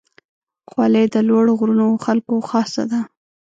خولۍ د لوړو غرونو خلکو خاصه ده.